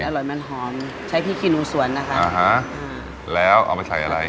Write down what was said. มันอร่อยมันหอมใช้พี่คินูสวรนะคะอ่าฮะแล้วเอาไปใส่อะไร